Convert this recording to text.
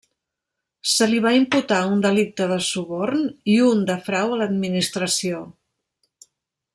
Se li va imputar un delicte de suborn i un de frau a l'Administració.